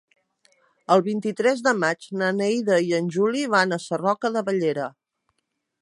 El vint-i-tres de maig na Neida i en Juli van a Sarroca de Bellera.